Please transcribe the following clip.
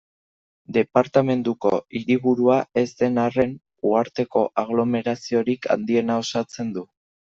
Departamenduko hiriburua ez den arren, uharteko aglomeraziorik handiena osatzen du.